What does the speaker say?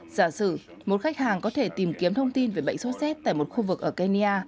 giả sử một khách hàng có thể tìm kiếm thông tin về bệnh sốt xét tại một khu vực ở kenya